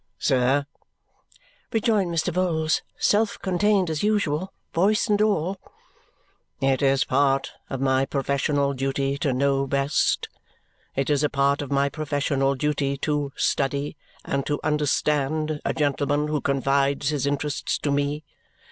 "Sir," rejoined Mr. Vholes, self contained as usual, voice and all, "it is a part of my professional duty to know best. It is a part of my professional duty to study and to understand a gentleman who confides his interests to me.